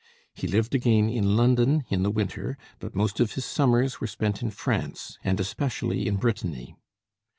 He lived again in London in the winter, but most of his summers were spent in France, and especially in Brittany.